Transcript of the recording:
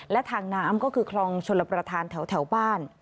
และทางน้ำก็คือคลองชลประธานแถวบ้าน